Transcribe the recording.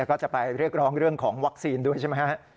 ก็จะไปเรียกร้องเรื่องของวัคซีนด้วยใช่ไหมฮะ